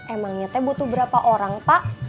emang nyatanya butuh berapa orang pak